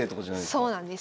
そうなんです。